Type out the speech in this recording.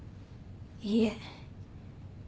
いいえ。